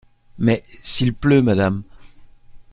Mais… s’il pleut, madame ?